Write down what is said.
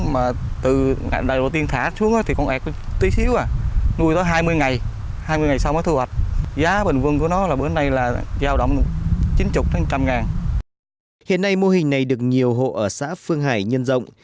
mô hình này được nhiều hộ ở xã phương hải nhân rộng